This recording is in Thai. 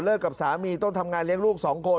เลิกกับสามีต้องทำงานเลี้ยงลูก๒คน